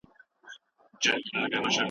کلي ورو ورو د بهرني نظر مرکز ګرځي او بدلېږي.